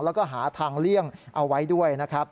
แล้วก็หาทางเลี่ยงเอาไว้ด้วยนะครับ